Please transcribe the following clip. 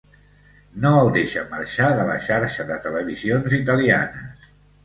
No el deixa marxar de la xarxa de televisions italianes.